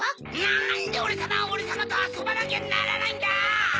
なんでおれさまがおれさまとあそばなきゃならないんだ！